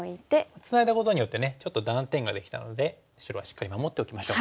ツナいだことによってちょっと断点ができたので白はしっかり守っておきましょう。